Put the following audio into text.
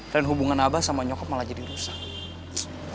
dan hubungan abah sama nyokap malah jadi rusak